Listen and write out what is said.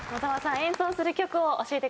演奏する曲を教えてください。